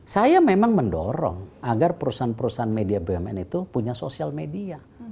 saya memang mendorong agar perusahaan perusahaan media bumn itu punya sosial media